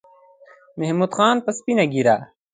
محمود خان په سپینه ګیره